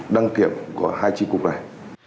đăng kiểm của hai chi cục này